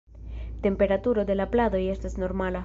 Temperaturo de la pladoj estas normala.